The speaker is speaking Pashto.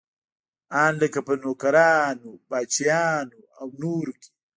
ان لکه په نوکران، پاچاهان او نور کې.